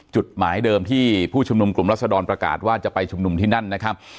จุดหมายเดิมที่ผู้ชุมนุมกลุ่มรัศดรประกาศว่าจะไปชุมนุมที่นั่นนะครับ